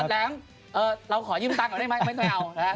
แหลมเราขอยืมตังออกได้ไหม